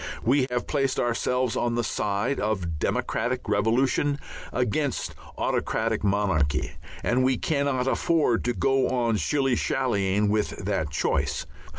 We have placed ourselves on the side of democratic revolution against autocratic monarchy, and we cannot afford to go on shilly shallying with that choice.